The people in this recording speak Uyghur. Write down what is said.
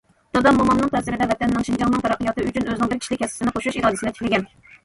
دادام مومامنىڭ تەسىرىدە ۋەتەننىڭ، شىنجاڭنىڭ تەرەققىياتى ئۈچۈن ئۆزىنىڭ بىر كىشىلىك ھەسسىسىنى قوشۇش ئىرادىسىنى تىكلىگەن.